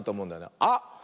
あっ！